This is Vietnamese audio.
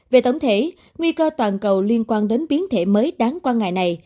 về tổng thể nguy cơ toàn cầu liên quan đến biến thể mới đáng quan ngại này